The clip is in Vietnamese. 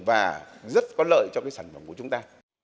và rất có lợi cho cái sản phẩm của chúng ta